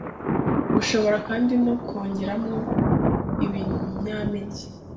Ushobora kandi no kongeramo ibinyampeke